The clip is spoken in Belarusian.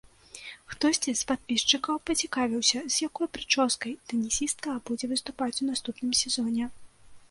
Хтосьці з падпісчыкаў пацікавіўся, з якой прычоскай тэнісістка будзе выступаць у наступным сезоне.